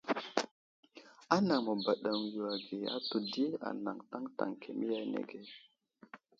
Anaŋ məbaɗeŋiyo age ahtu di anaŋ taŋtaŋ kemiya anege.